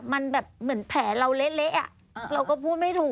มันแบบเหมือนแผลเราเละเราก็พูดไม่ถูก